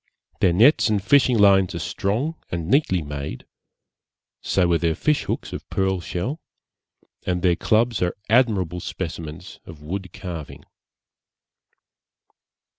Their nets and fishing lines are strong and neatly made, so are their fish hooks of pearl shell; and their clubs are admirable specimens of wood carving.